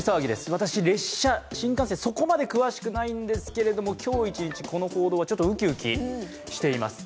私、列車、新幹線、そこまで詳しくないんですけれども、今日一日、この報道はちょっとウキウキしています。